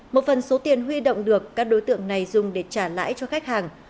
một phần số tiền huy động được các đối tượng này dùng để trả lãi cho khách hàng